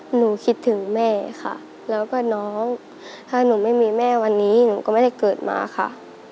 หนูคิดถึงแม่ค่ะแล้วก็น้องถ้าหนูไม่มีแม่วันนี้หนูก็ไม่ได้เกิดมาค่ะ